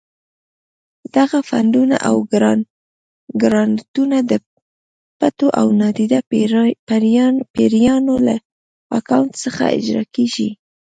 دغه فنډونه او ګرانټونه د پټو او نادیده پیریانو له اکاونټ څخه اجرا کېږي.